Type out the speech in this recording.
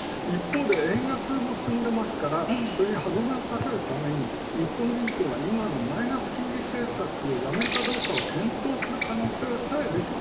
一方で円安も進んでますからそれにはどめをかけるために、日本銀行が今のマイナス金利政策をやめるかどうかを検討する可能性も。